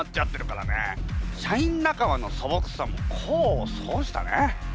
社員仲間のそぼくさも功を奏したね。